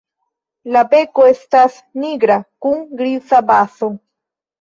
La beko estas nigra kun griza bazo.